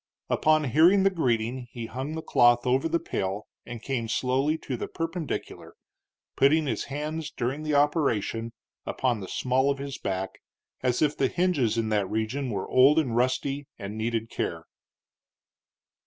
Upon hearing the greeting he hung the cloth over the pail and came slowly to the perpendicular, putting his hands, during the operation, upon the small of his back, as if the hinges in that region were old and rusty and needed care.